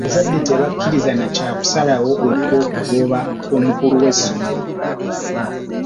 Abazadde tebakkirizza na kya kusalawo okokugoba omukulu w'essomero.